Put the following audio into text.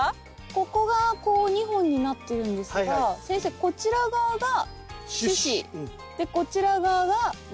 ここがこう２本になっているんですが先生こちら側が主枝でこちら側がわき芽ですよね。